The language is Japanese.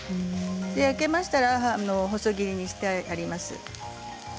焼けましたら、細切りにします。